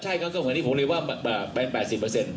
ใช่ครับเกือบไหนผมเรียกว่า๘๐เปอร์เซ็นต์